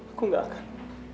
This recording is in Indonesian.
aku gak akan